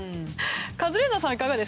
カズレーザーさんはいかがですか？